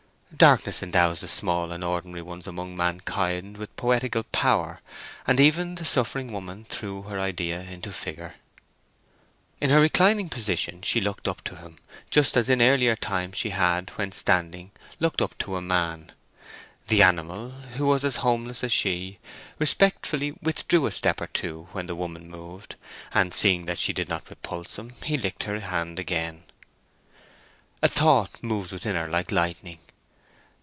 Darkness endows the small and ordinary ones among mankind with poetical power, and even the suffering woman threw her idea into figure. In her reclining position she looked up to him just as in earlier times she had, when standing, looked up to a man. The animal, who was as homeless as she, respectfully withdrew a step or two when the woman moved, and, seeing that she did not repulse him, he licked her hand again. A thought moved within her like lightning.